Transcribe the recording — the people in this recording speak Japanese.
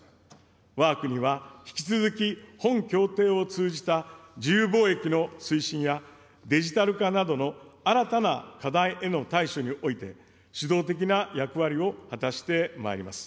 わが国は引き続き、本協定を通じた自由貿易の推進や、デジタル化などの新たな課題への対処において、主導的な役割を果たしてまいります。